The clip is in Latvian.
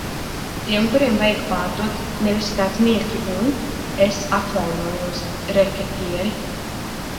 Tie, kuriem vajag pārdot, nevis starpnieki un, es atvainojos, reketieri.